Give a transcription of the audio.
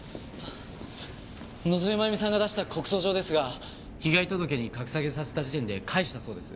野添真由美さんが出した告訴状ですが被害届に格下げさせた時点で返したそうです。